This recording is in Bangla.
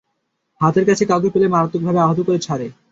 হাতের কাছে কাউকে পেলে মারাত্মকভাবে আহত করে ছাড়ে।